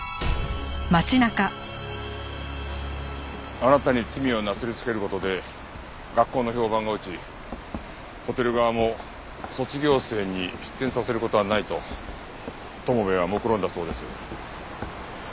あなたに罪をなすりつける事で学校の評判が落ちホテル側も卒業生に出店させる事はないと友部はもくろんだそうです。